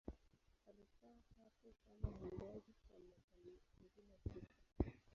Alikaa hapo kama mwimbaji kwa miaka mingine tisa.